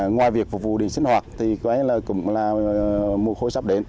ngoài việc phục vụ điện sinh hoạt thì cũng là mua khối sắp điện